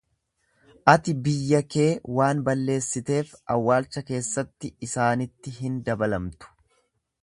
Ati biyya kee waan balleessiteef awwaalcha keessatti isaanitti hin dabalamtu.